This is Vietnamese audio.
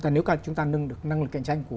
nếu chúng ta nâng được năng lực cạnh tranh